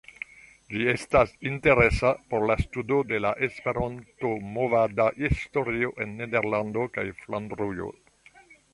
Ĝi estas interesa por la studo de la Esperanto-movada historio en Nederlando kaj Flandrujo.